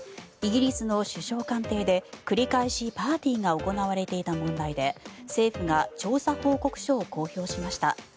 イギリスの首相官邸で繰り返しパーティーが行われていた問題で政府が調査報告書を公表しました。